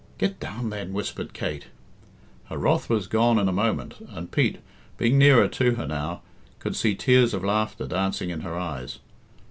"Get down, then," whispered Kate. Her wrath was gone in a moment, and Pete, being nearer to her now, could see tears of laughter dancing in her eyes.